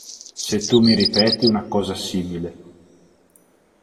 Se tu mi ripeti una cosa simile.